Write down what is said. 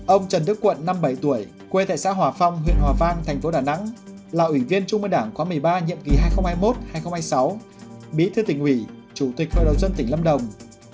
ông trần đức quận năm mươi bảy tuổi quê tại xã hòa phong huyện hòa vang thành phố đà nẵng là ủy viên trung mưu đảng khoảng một mươi ba nhiệm ký hai nghìn hai mươi một hai nghìn hai mươi sáu bí thư tỉnh uy chủ tịch khởi đầu dân tỉnh lâm đồng